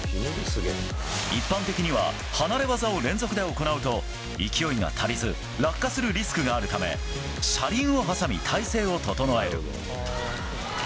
一般的には離れ技を連続で行うと勢いが足りず落下するリスクがあるため車輪を挟み体勢を整える。